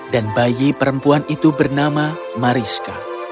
dan bayi perempuan itu bernama mariska